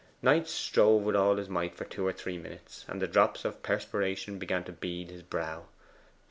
Knight strove with all his might for two or three minutes, and the drops of perspiration began to bead his brow.